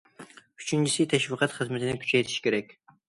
ئۈچىنچىسى، تەشۋىقات خىزمىتىنى كۈچەيتىش كېرەك.